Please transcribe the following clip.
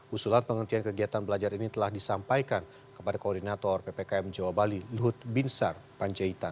usulan penghentian kegiatan belajar ini telah disampaikan kepada koordinator ppkm jawa bali luhut binsar panjaitan